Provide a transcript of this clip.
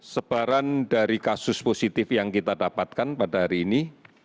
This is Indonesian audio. sebaran dari kasus positif yang kita dapatkan pada hari ini